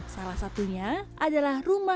salah satunya adalah rumah